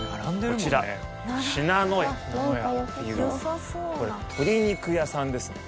こちら信濃屋っていうこれ鶏肉屋さんですね。